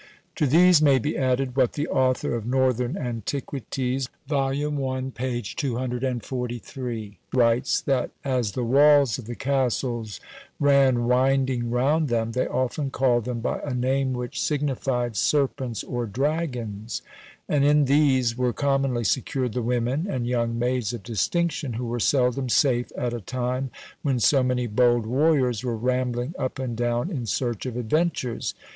To these may be added what the author of "Northern Antiquities," Vol. I. p. 243, writes, that as the walls of the castles ran winding round them, they often called them by a name which signified serpents or dragons; and in these were commonly secured the women and young maids of distinction, who were seldom safe at a time when so many bold warriors were rambling up and down in search of adventures.